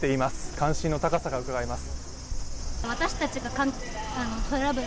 関心の高さがうかがえます。